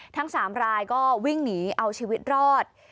ทั้ง๓รายก็วิ่งหนีเอาชีวิตรอด